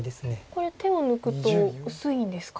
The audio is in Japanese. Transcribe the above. これ手を抜くと薄いんですか。